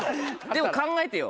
でも考えてよ